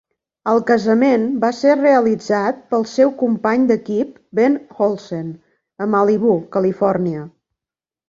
El casament va ser realitzat pel seu company d'equip Ben Olsen a Malibu, Califòrnia.